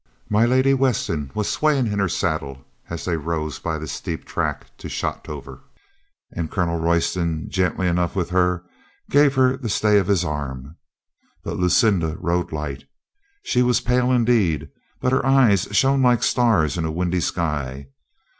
My Lady Weston was swaying in her saddle as they rose by the steep track to Shotover, and Colonel Royston, gentle enough with her, gave her the stay of his arm. But Lucinda rode light. She was pale indeed, but her eyes shone like stars in a windy sky.